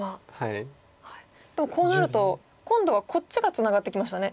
でもこうなると今度はこっちがつながってきましたね。